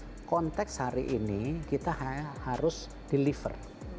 nah konteks hari ini kita harus deliver